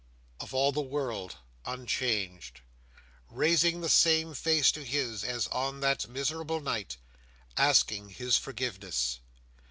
Of all the world, unchanged. Raising the same face to his, as on that miserable night. Asking his forgiveness!